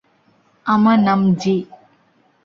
আমার নাম যী।